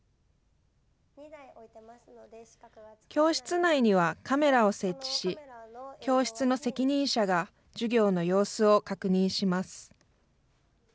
教室内にはカメラを設置し、教室の責任者が授業の様子を確認します。